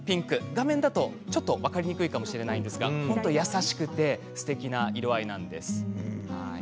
画面だと分かりにくいかもしれませんが優しくてすてきな色合いなんです。